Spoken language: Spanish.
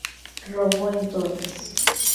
Robó en todas.